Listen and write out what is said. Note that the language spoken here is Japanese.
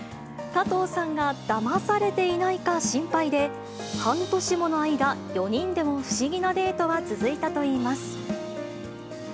加藤さんがだまされていないか心配で、半年もの間、４人での不思議なデートが続いたといいます。